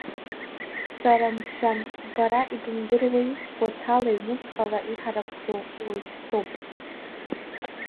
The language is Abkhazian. Сара, мшәан, бара ибымдыруеи, гәаҭала ҩнуҵҟала иҳаракӡоу уаҩԥсуп.